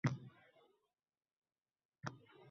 aksiga xizmat qilishi mumkin bo'lgan narsa esa yo'q.